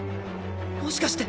もしかして。